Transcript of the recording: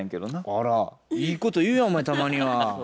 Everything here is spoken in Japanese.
あらいいこと言うやんお前たまには。